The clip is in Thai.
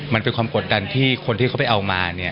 มันเป็นความกดดันที่คนที่เขาไปเอามาเนี่ย